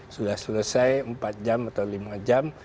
sudah selesai empat jam atau lima jam